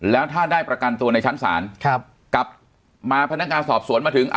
แล้วถ้าได้ประกันตัวในชั้นศาลครับกลับมาพนักงานสอบสวนมาถึง